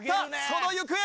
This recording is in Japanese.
その行方。